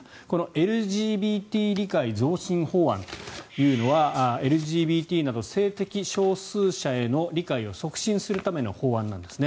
ＬＧＢＴ理解増進法案というのはＬＧＢＴなど性的少数者への理解を促進するための法案なんですね。